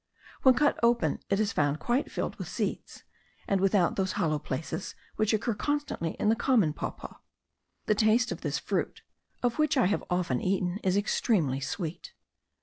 When cut open it is found quite filled with seeds, and without those hollow places which occur constantly in the common papaw. The taste of this fruit, of which I have often eaten, is extremely sweet.